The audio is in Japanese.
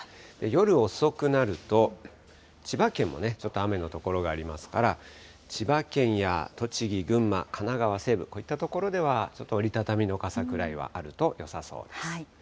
夜遅くなると、千葉県もちょっと雨の所がありますから、千葉県や栃木、群馬、神奈川西部、こういった所では、ちょっと折り畳みの傘くらいはあるとよさそうです。